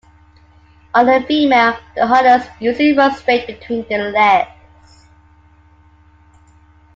On a female, the harness usually runs straight between the legs.